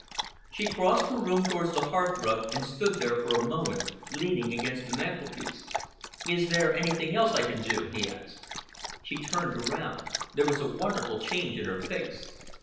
She crossed the room towards the hearthrug and stood there for a moment, leaning against the mantelpiece. "Is there anything else I can do?" he asked. She turned around. There was a wonderful change in her face.